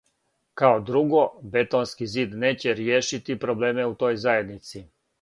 Као друго, бетонски зид неће ријешити проблеме у тој заједници.